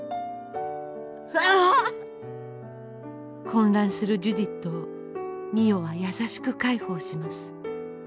混乱するジュディットを美世は優しく介抱します。